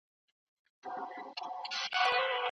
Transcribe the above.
د هغوی ستاینه باید هېر نه سي.